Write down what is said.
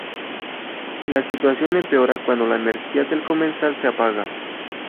La situación empeora cuando la energía del comensal se apaga.